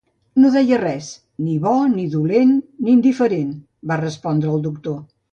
"No deia res –ni bo, ni dolent ni indiferent", va respondre el doctor.